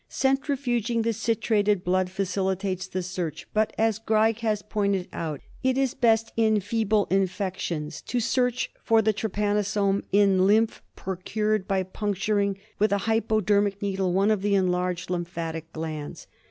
Centrifuging the citrated blood facilitates the search ; but, as Greig has pointed out, it is best in feeble infections to search for the try panosome in lymph procured by puncturing with a hypodermic needle one of the enlarged lymphatic glands.